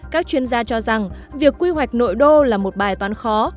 các chuyên gia cho rằng việc quy hoạch nội đô là một bài toán khó